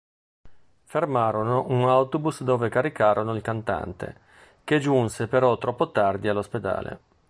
Fermarono un autobus dove caricarono il cantante, che giunse però troppo tardi all'ospedale.